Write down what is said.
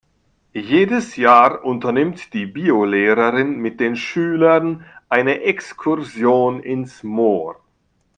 Jedes Jahr unternimmt die Biolehrerin mit den Schülern eine Exkursion ins Moor.